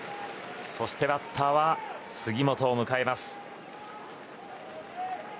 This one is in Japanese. そしてバッターは杉本を迎えます。